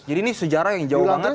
ini sejarah yang jauh banget